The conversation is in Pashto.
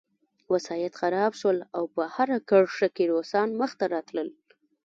وسایط خراب شول او په هره کرښه کې روسان مخته راتلل